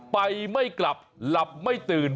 ไม่กลับหลับไม่ตื่น